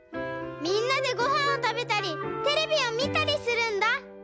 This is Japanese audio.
みんなでごはんをたべたりテレビをみたりするんだ。